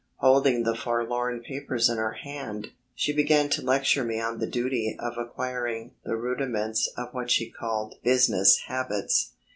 Holding the forlorn papers in her hand, she began to lecture me on the duty of acquiring the rudiments of what she called "business habits."